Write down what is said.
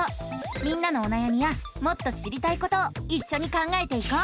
みんなのおなやみやもっと知りたいことをいっしょに考えていこう！